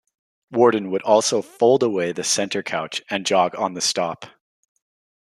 Worden would also fold away the center couch and jog on the stop.